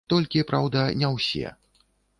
Толькі, праўда, не ўсе.